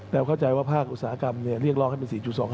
เข้าใจว่าภาคอุตสาหกรรมเรียกร้องให้เป็น๔๒๕